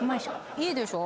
いいでしょ？